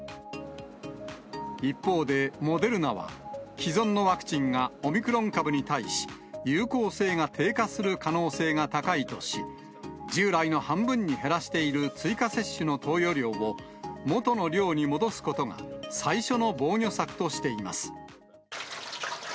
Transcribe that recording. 一方で、モデルナは既存のワクチンがオミクロン株に対し、有効性が低下する可能性が高いとし、従来の半分に減らしている追加接種の投与量を、元の量に戻すことが最初の防御策としています。